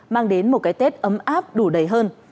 mang đến một cái tết ấm áp đủ đầy hơn